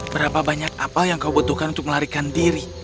berapa banyak apa yang kau butuhkan untuk melarikan diri